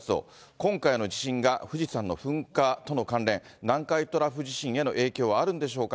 今回の地震が富士山の噴火との関連、南海トラフ地震への影響はあるんでしょうか。